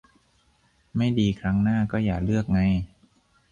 ไม่ดีครั้งหน้าก็อย่าเลือกไง